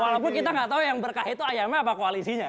walaupun kita nggak tahu yang berkah itu ayamnya apa koalisinya